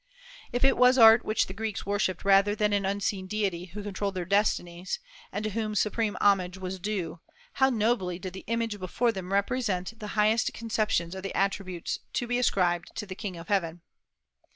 If it was art which the Greeks worshipped rather than an unseen deity who controlled their destinies, and to whom supreme homage was due, how nobly did the image before them represent the highest conceptions of the attributes to be ascribed to the King of Heaven!